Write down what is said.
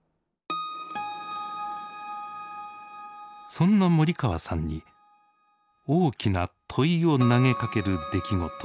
そんな森川さんに大きな問いを投げかける出来事が起きます。